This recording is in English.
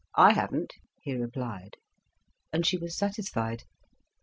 I haven't," he replied. And she was satisfied.